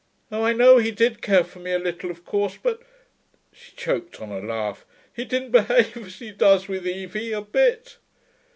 Oh, I know he did care for me a little, of course, but ' she choked on a laugh, 'he didn't behave as he does with Evie, a bit....'